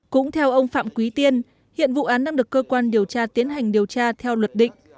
cũng theo ông phạm quý tiên hiện vụ án đang được cơ quan điều tra tiến hành điều tra theo luật định